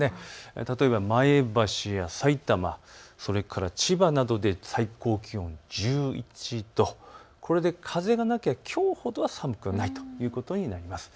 例えば前橋やさいたま、それから千葉などで最高気温１１度、これで風がなければ、きょうほど寒くないということになります。